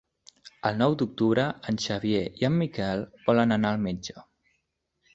El nou d'octubre en Xavi i en Miquel volen anar al metge.